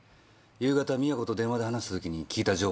夕方美和子と電話で話した時に聞いた情報ですから。